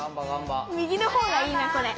右のほうがいいなこれ。